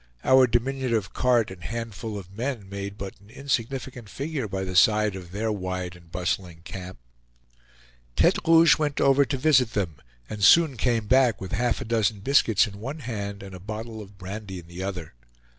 Our diminutive cart and handful of men made but an insignificant figure by the side of their wide and bustling camp. Tete Rouge went over to visit them, and soon came back with half a dozen biscuits in one hand and a bottle of brandy in the other.